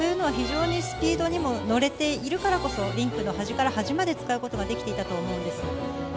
非常にスピードにも乗れているからこそリンクのはじからはじまで使うことができていたと思います。